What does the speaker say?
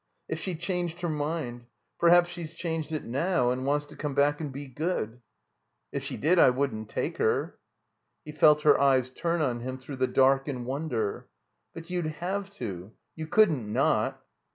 If she changed her mind ? Per haps she's changed it now and wants to come back and be good." "If she did I wouldn't take her." 336 THE COMBINED MAZE He felt her eyes turn on him through the dark in wonder. "But you'd have to. You cx)uldn't not."